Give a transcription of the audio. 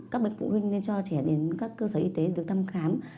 các bệnh phụ huynh nên cho trẻ đến các cơ sở y tế được tâm khám